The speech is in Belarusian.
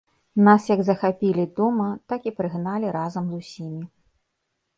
Нас як захапілі дома, так і прыгналі разам з усімі.